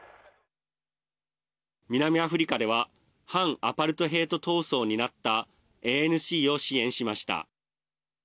南アフリカでは反アパルトヘイト闘争を担ったＡＮＣを支援しました。